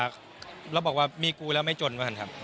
ก็บอกว่ามีกูแล้วไม่จนเหรอครับ